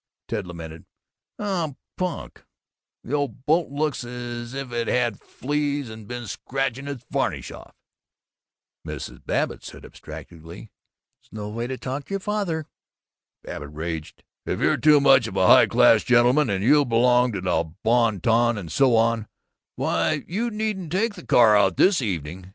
Ted lamented, "Oh, punk! The old boat looks as if it'd had fleas and been scratching its varnish off." Mrs. Babbitt said abstractedly, "Snoway talkcher father." Babbitt raged, "If you're too much of a high class gentleman, and you belong to the bon ton and so on, why, you needn't take the car out this evening."